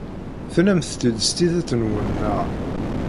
Tennamt-t-id s tidet-nwent, naɣ?